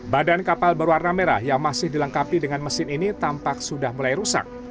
badan kapal berwarna merah yang masih dilengkapi dengan mesin ini tampak sudah mulai rusak